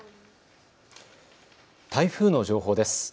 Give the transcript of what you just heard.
台風の情報です。